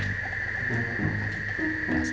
kasih tau kebobji dulu kali ya